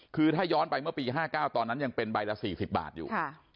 คือถ้าย้อนไปเมื่อปี๕๙ตอนนั้นยังเป็นใบละ๔๐บาทอยู่